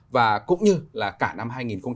và cũng như là cả năm hai nghìn hai mươi